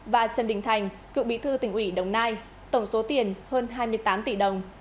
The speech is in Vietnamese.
và trần đình thành cựu bí thư tỉnh ủy đồng nai tổng số tiền hơn hai mươi tám tỷ đồng